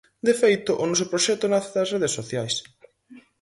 De feito, o noso proxecto nace das redes sociais.